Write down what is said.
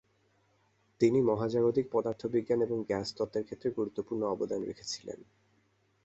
তিনি মহাজাগতিক পদার্থবিজ্ঞান এবং গ্যাস তত্ত্বের ক্ষেত্রে গুরুত্বপূর্ণ অবদান রেখেছিলেন।